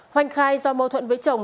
hoanh khai do mâu thuẫn với chồng